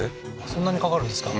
そんなにかかるんですか。